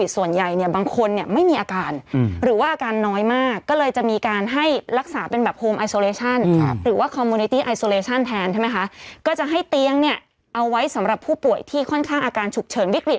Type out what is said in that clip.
สำหรับผู้ป่วยที่ค่อนข้างอาการฉุกเฉินวิกฤต